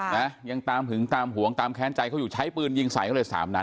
นะยังตามหึงตามหวงตามแค้นใจเขาอยู่ใช้ปืนยิงใส่เขาเลยสามนัด